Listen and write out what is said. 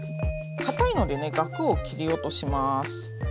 かたいのでねガクを切り落とします。